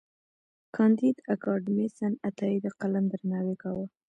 کانديد اکاډميسن عطايي د قلم درناوی کاوه.